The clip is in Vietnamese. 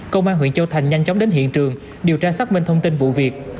công an huyện châu thành nhanh chóng đến hiện trường điều tra xác minh thông tin vụ việc